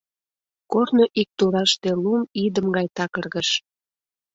Корно ик тураште лум идым гай такыргыш.